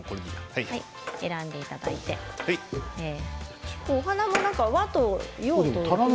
選んでいただいてお花も和と洋と。